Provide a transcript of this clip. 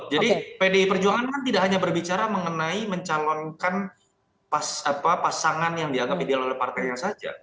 jadi pdi perjuangan kan tidak hanya berbicara mengenai mencalonkan pasangan yang dianggap ideal oleh partainya saja